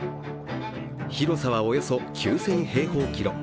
広さはおよそ９０００平方キロ。